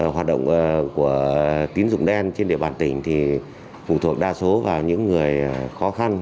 hoạt động của tín dụng đen trên địa bàn tỉnh thì phụ thuộc đa số vào những người khó khăn